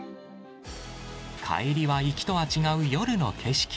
帰りは行きとは違う夜の景色。